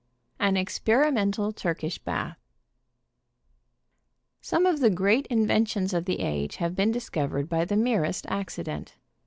AN EXPERIMENTAL TURKISH BATH. Some of the great inventions of the age have been discovered by the merest accident.